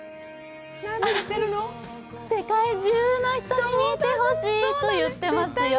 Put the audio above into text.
世界中の人に見てほしいって言ってますよ。